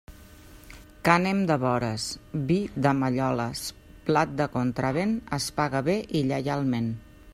Cànem de vores, vi de malloles, blat de contravent es paga bé i lleialment.